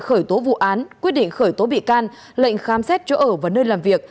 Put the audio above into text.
khởi tố vụ án quyết định khởi tố bị can lệnh khám xét chỗ ở và nơi làm việc